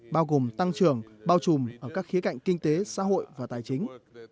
bao gồm tăng trưởng bao trùm ở các khía cạnh kinh tế xã hội và tài chính